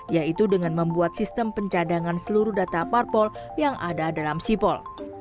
yaitu dengan membuat sistem pencadangan seluruh data parpol yang ada dalam sipol